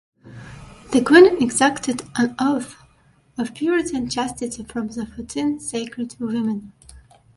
The Queen exacted an oath of purity and chastity from the fourteen sacred women.